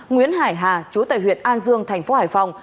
nguyễn hải hà chú tài huyệt an dương thành phố hải phòng